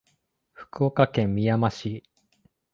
福岡県みやま市